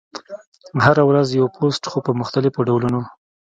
هره ورځ یو پوسټ، خو په مختلفو ډولونو: